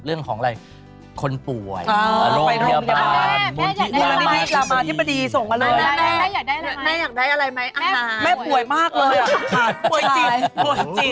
เรื่องของอะไรคนป่วยโรคพยาบาลมุมธิลามาพิศีริแม่อยากได้อะไรไหมแม่ป่วยมากเลยอ่ะป่วยจิต